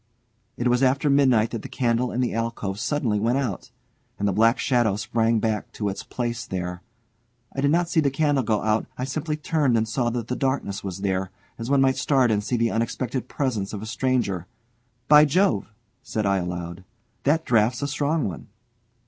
It was after midnight that the candle in the alcove suddenly went out, and the black shadow sprang back to its place there. I did not see the candle go out; I simply turned and saw that the darkness was there, as one might start and see the unexpected presence of a stranger. "By Jove!" said I aloud; "that draught's a strong one!"